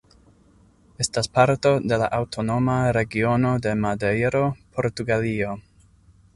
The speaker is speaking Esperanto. Estas parto de la Aŭtonoma Regiono de Madejro, Portugalio.